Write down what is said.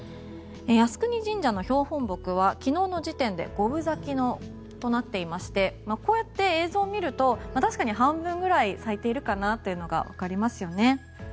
靖国神社の標本木は昨日の時点で五分咲きとなっていましてこうやって映像を見ると確かに半分ぐらい咲いているかなというのがわかりますよね。